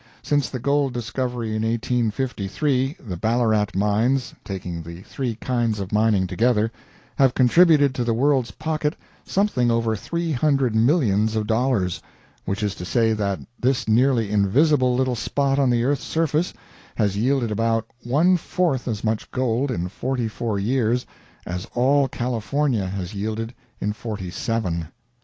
Since the gold discovery in 1853 the Ballarat mines taking the three kinds of mining together have contributed to the world's pocket something over three hundred millions of dollars, which is to say that this nearly invisible little spot on the earth's surface has yielded about one fourth as much gold in forty four years as all California has yielded in forty seven.